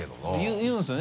言うんですよね？